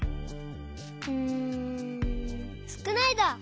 うん「すくない」だ！